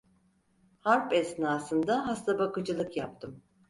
Harp esnasında hastabakıcılık yaptım.